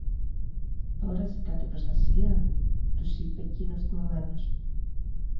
"Τώρα ζητάτε προστασία;" τους είπε κείνος θυμωμένος